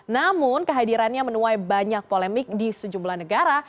namun kehadirannya menuai banyak polemik di sejumlah negara